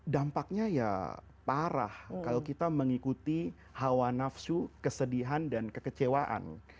dampaknya ya parah kalau kita mengikuti hawa nafsu kesedihan dan kekecewaan